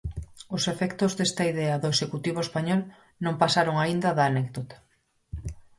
Os efectos desta idea do executivo español non pasaron aínda da anécdota.